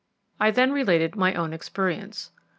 I then related my own experience.